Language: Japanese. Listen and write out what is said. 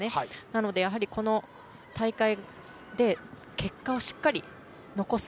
なので、この大会で結果をしっかり残す。